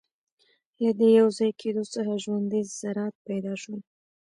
له دې یوځای کېدو څخه ژوندۍ ذرات پیدا شول.